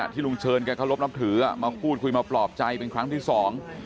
ลุงเชิญแกเคารพนับถือมาพูดคุยมาปลอบใจเป็นครั้งที่สอง